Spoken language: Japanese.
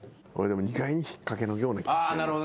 意外に引っ掛けのような気。